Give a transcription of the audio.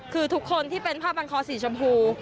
คือทุกคนที่เป็นผ้าบันคอสีชมพู